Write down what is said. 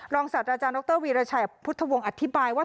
ศาสตราจารย์ดรวีรชัยพุทธวงศ์อธิบายว่า